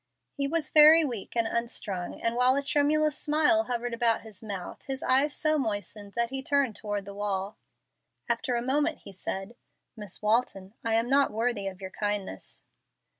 He was very weak and unstrung, and while a tremulous smile hovered about his mouth, his eyes so moistened that he turned toward the wall. After a moment he said, "Miss Walton, I am not worthy of your kindness."